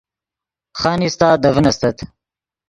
خانیستہ دے ڤین استت